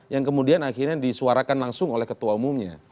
yang kemudian akhirnya disuarakan langsung oleh ketua umumnya